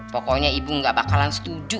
pokoknya ibu gak bakalan setuju